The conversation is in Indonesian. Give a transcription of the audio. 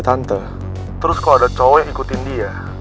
terus kalo ada cowok yang ikutin dia